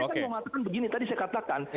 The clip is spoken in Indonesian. saya ingin mengatakan begini tadi saya katakan